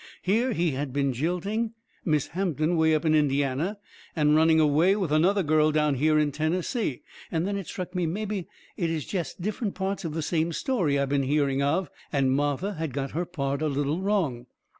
Here he had been jilting Miss Hampton way up in Indiany, and running away with another girl down here in Tennessee. Then it struck me mebby it is jest different parts of the same story I been hearing of, and Martha had got her part a little wrong.